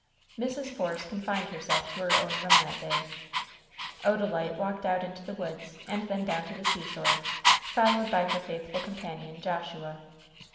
Mrs. Force confined herself to her own room that day. Odalite walked out into the woods, and then down to the seashore, followed by her faithful companion, Joshua.